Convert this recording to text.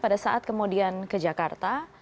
pada saat kemudian ke jakarta